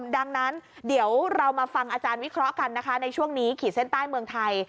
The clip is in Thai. ดังนั้นเดี๋ยวเรามาฟังอาจารย์วิเคราะห์กันนะคะในช่วงนี้ขีดเส้นใต้เมืองไทย